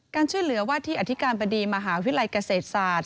การช่วยเหลือว่าที่อธิการบดีมหาวิทยาลัยเกษตรศาสตร์